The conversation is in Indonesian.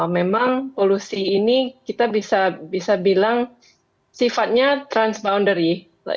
memang polusi ini kita bisa bilang sifatnya transboundary yaitu lintas batas